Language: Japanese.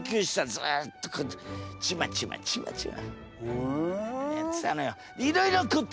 ずっとこうやってちまちまちまちまやってたのよ。